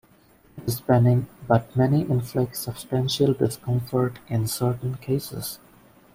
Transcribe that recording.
It is benign but may inflict substantial discomfort in certain cases.